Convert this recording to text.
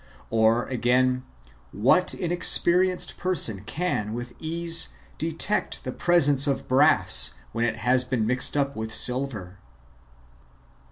Or, again, what inexperienced person can wdth ease detect the presence of brass when it has been mixed up with silver